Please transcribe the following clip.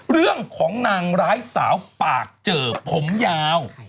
เรื่องของนางร้ายสาวปากเจอผมยาว